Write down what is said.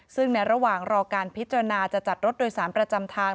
ซึ่งในระหว่างรอการพิจารณาจะจัดรถโดยสารประจำทาง